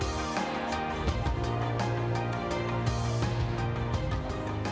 vaksinasi mobile digelar di kecamatan wongsorejo banyuwangi yang memiliki keindahan panorama selat bali dengan garis pantainya yang panjang